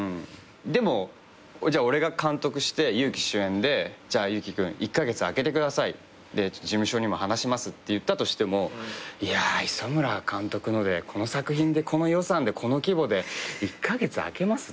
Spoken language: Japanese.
でもじゃあ俺が監督して祐希主演で「じゃあ祐希君１カ月空けてください」「事務所にも話します」って言ったとしても「いやぁ磯村監督のでこの作品でこの予算でこの規模で１カ月空けます？」